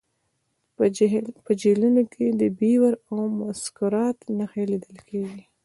په جهیلونو کې د بیور او مسکرات نښې لیدل کیږي